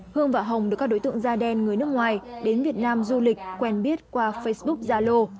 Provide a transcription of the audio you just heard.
hương và hồng được các đối tượng da đen người nước ngoài đến việt nam du lịch quen biết qua facebook zalo